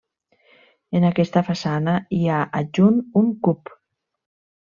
En aquesta façana hi ha adjunt un cup.